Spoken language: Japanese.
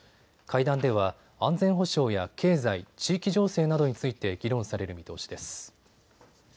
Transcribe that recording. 会談では安全保障や経済、地域情勢などについて議論される見通しです。